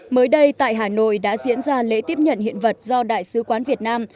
mới đây tại hà nội đã diễn ra lễ tiếp nhận hiện vật do đại sứ quán việt nam